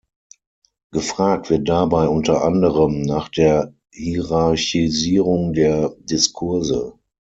Gefragt wird dabei unter anderem nach der Hierarchisierung der Diskurse.